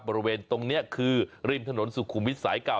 บริเวณตรงนี้คือริมถนนสุขุมวิทย์สายเก่า